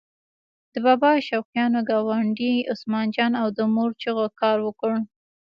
د بابا شوقیانو ګاونډي عثمان جان او د مور چغو کار وکړ.